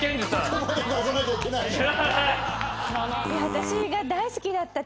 私が大好きだった。